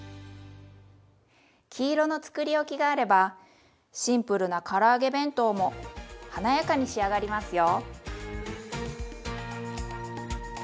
黄色のつくりおきがあればシンプルなから揚げ弁当も華やかに仕上がりますよ。